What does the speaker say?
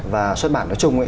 và xuất bản nói chung